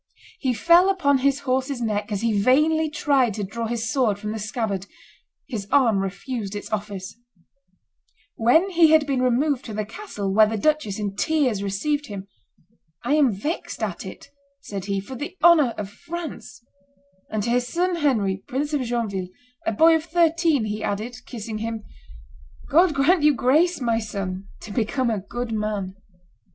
He fell upon his horse's neck, as he vainly tried to draw his sword from the scabbard; his arm refused its office. [Illustration: The Duke of Guise waylaid 315] When he had been removed to the castle, where the duchess, in tears, received him, "I am vexed at it," said he, "for the honor of France;" and to his son Henry, Prince of Joinville, a boy of thirteen, he added, kissing him, "God grant you grace, my son, to become a good man."